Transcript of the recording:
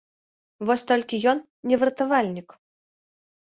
Вось толькі ён не выратавальнік.